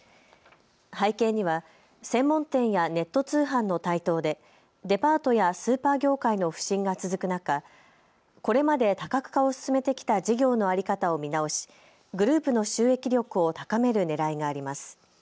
背景には専門店やネット通販の台頭でデパートやスーパー業界の不振が続く中、これまで多角化を進めてきた事業の在り方を見直しグループの収益力を高めるねらいがあります。